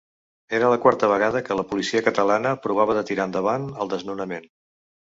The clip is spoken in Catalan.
Era la quarta vegada que la policia catalana provava de tirar endavant el desnonament.